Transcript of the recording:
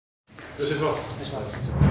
お願いします。